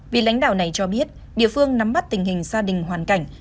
vị lãnh đạo này cho biết địa phương nắm bắt tình hình gia đình hoàn cảnh